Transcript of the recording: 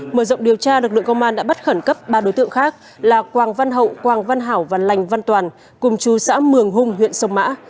mở rộng điều tra lực lượng công an đã bắt khẩn cấp ba đối tượng khác là quang văn hậu quang văn hảo và lành văn toàn cùng chú xã mường hùng huyện sông mã